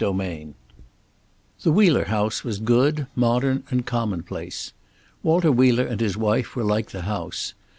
III The Wheeler house was good, modern and commonplace. Walter Wheeler and his wife were like the house.